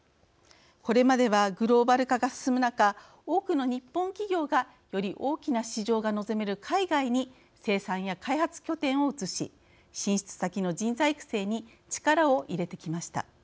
これまではグローバル化が進む中多くの日本企業がより大きな市場が望める海外に生産や開発拠点を移し進出先の人材育成に力を入れてきました。